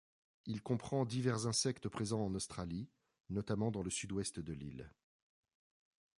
Il comprend divers insectes présentes en Australie, notamment dans le sud-ouest de l'île.